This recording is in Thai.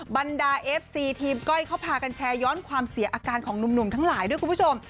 บรรดาเอฟซีทีมก้อยเขาพากันแชร์ย้อนความเสียอาการของหนุ่มทั้งหลายด้วยคุณผู้ชม